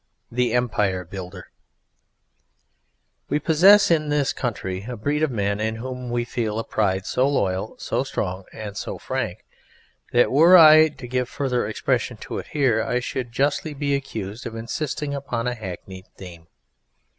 THE EMPIRE BUILDER We possess in this country a breed of men in whom we feel a pride so loyal, so strong, and so frank that were I to give further expression to it here I should justly be accused of insisting upon a hackneyed theme.